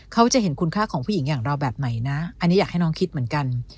เขาจะเห็นคุณค่าของผู้หญิงอย่างเราแบบใหม่นะอันนี้อยากให้น้องคิดเหมือนกัน